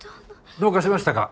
・どうかしましたか？